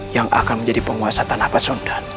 yang akan menjadi penguasa tanah pasundan